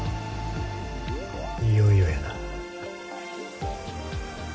いよいよやな。